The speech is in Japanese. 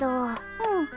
うん！